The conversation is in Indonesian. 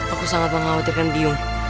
aku sangat mengkhawatirkan byung